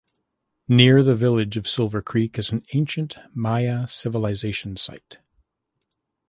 Near the village of Silver Creek is an ancient Maya civilization site.